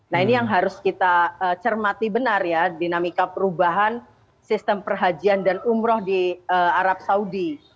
nah ini yang harus kita cermati benar ya dinamika perubahan sistem perhajian dan umroh di arab saudi